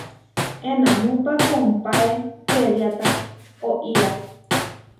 Enámupa kompáe čeriáta oʼía.